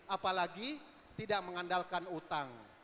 apalagi tidak mengandalkan utang